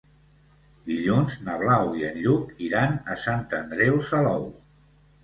Dilluns na Blau i en Lluc iran a Sant Andreu Salou.